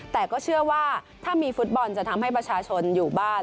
แต่ก็เชื่อว่าถ้ามีฟุตบอลจะทำให้ประชาชนอยู่บ้าน